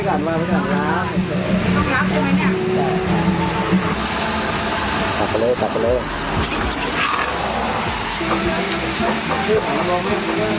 เอ่อวางไว้ก่อนวางไว้ก่อนนะต้องรับด้วยไหมเนี่ย